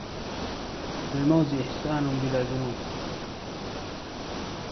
للموز إحسان بلا ذنوب